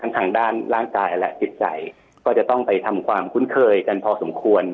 ทางด้านร่างกายและจิตใจก็จะต้องไปทำความคุ้นเคยกันพอสมควร